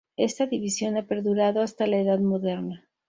Esta división ha perdurado hasta la Edad Moderna.